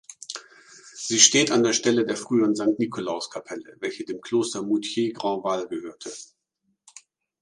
Sie steht an der Stelle der früheren Sankt-Nikolauskapelle, welche dem Kloster Moutier-Grandval gehörte.